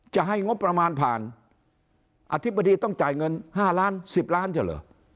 จะให้งบประมาณผ่านอธิบดีต้องจ่ายเงิน๕ล้าน๑๐ล้านใช่เหรอ